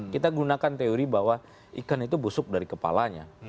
kita gunakan teori bahwa ikan itu busuk dari kepalanya